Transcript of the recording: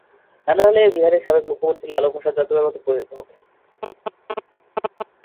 তা না হলে বিহারের সাবেক মুখ্যমন্ত্রী লালুপ্রসাদ যাদবের মতো পরিণতি হবে।